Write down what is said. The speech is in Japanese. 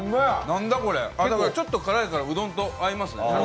だから、ちょっと辛いからうどんと合いますね